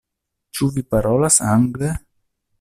Ĉu vi parolas angle?